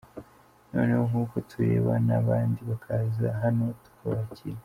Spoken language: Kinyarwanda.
Noneho nk’uko turebana, abandi bakaza hano tukabakira.